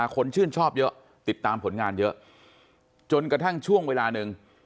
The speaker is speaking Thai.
คนชื่นชอบเยอะติดตามผลงานเยอะจนกระทั่งช่วงเวลาหนึ่ง